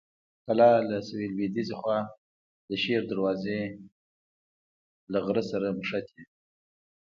کلا له سویل لویديځې خوا د شیر دروازې غر سره نښتې.